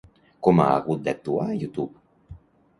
Com ha hagut d'actuar YouTube?